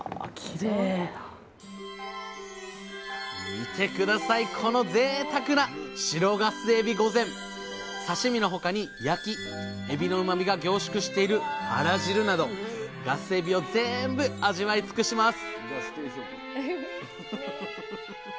見て下さいこのぜいたくな刺身の他に焼きエビのうまみが凝縮しているあら汁などガスエビを全部味わいつくします！